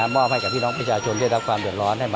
มอบให้กับพี่น้องประชาชนได้รับความเดือดร้อน